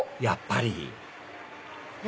やっぱり！